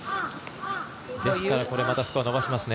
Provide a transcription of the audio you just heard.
ですから、これはまたスコアを伸ばしますね。